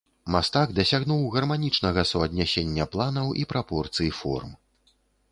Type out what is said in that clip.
Мастак дасягнуў гарманічнага суаднясення планаў і прапорцый форм.